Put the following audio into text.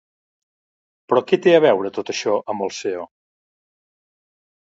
Però que té a veure tot això amb el CEO?